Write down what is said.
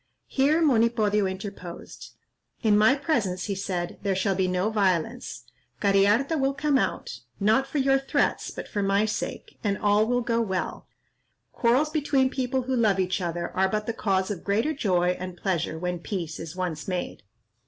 Here Monipodio interposed: "In my presence," he said, "there shall be no violence. Cariharta will come out, not for your threats, but for my sake, and all will go well. Quarrels between people who love each other are but the cause of greater joy and pleasure when peace is once made.